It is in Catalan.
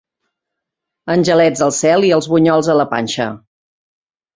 Angelets al cel i els bunyols a la panxa.